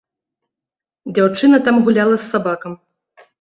Дзяўчына там гуляла з сабакам.